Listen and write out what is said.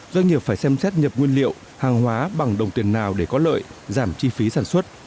doanh nghiệp phải xem xét nhập nguyên liệu hàng hóa bằng đồng tiền nào để có lợi giảm chi phí sản xuất